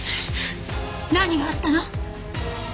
何があったの？